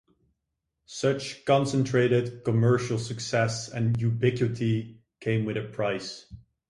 Such concentrated commercial success and ubiquity came with a price.